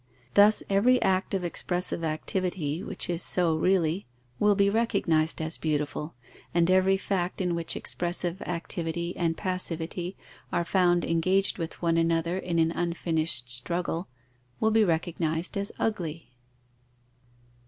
Thus every act of expressive activity, which is so really, will be recognized as beautiful, and every fact in which expressive activity and passivity are found engaged with one another in an unfinished struggle, will be recognized as ugly.